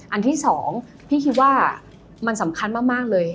อันที่สองพี่คิดว่ามันสำคัญมากเลย